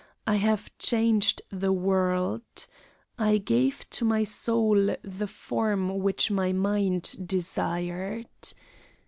I have changed the world. I gave to my soul the form which my mind desired.